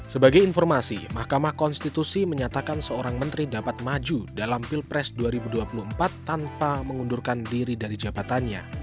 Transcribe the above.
sebagai informasi mahkamah konstitusi menyatakan seorang menteri dapat maju dalam pilpres dua ribu dua puluh empat tanpa mengundurkan diri dari jabatannya